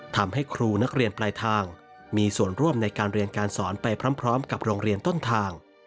ทำให้ครูนักเรียนปลายทางมีส่วนร่วมในการเรียนการสอนไปพร้อมกับโรงเรียนต้นทาง